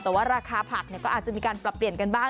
แต่ว่าราคาผักก็อาจจะมีการปรับเปลี่ยนกันบ้าง